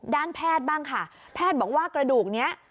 ด้านแพทย์บ้างค่ะแพทย์บอกว่ากระดูกนี้